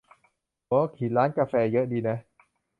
หัวหินร้านกาแฟเยอะดีนะ